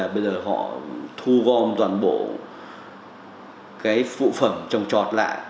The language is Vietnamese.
bây giờ họ thu gom toàn bộ cái phụ phẩm trồng trọt lại